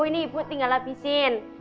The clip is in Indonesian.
ini ibu tinggal lapisin